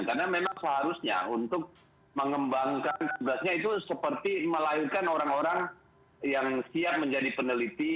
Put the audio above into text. karena memang seharusnya untuk mengembangkan tugasnya itu seperti melahirkan orang orang yang siap menjadi peneliti